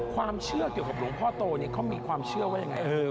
ความเชื่อเกี่ยวกับหลวงพ่อโตเนี่ยเขามีความเชื่อว่ายังไง